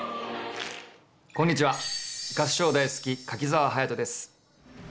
こんにちは合唱大好き柿澤勇人です。